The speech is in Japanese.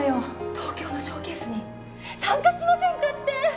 東京のショーケースに参加しませんかって！